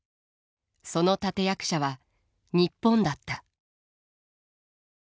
その立て役者は日本だった。